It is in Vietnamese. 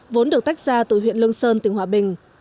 vốn được tách ra từ huyện lương sơn tỉnh hòa bình